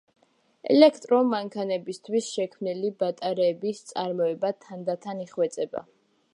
ელექტრო მანქანებისთვის შექმნილი ბატარეების წარმოება თანდათან იხვეწება.